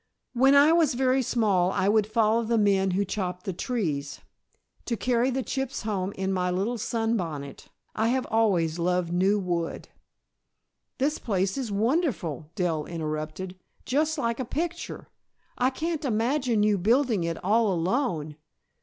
"When I was very small I would follow the men who chopped the trees, to carry the chips home in my little sunbonnet. I have always loved new wood." "This place is wonderful," Dell interrupted. "Just like a picture. I can't imagine you building it all alone.